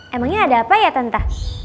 emangnya ada apa ya tenta